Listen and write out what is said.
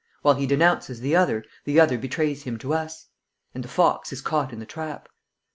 While he denounces the other, the other betrays him to us. And the fox is caught in the trap."